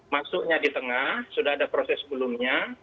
masuknya di tengah sudah ada proses sebelumnya